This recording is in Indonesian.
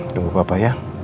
tunggu papa ya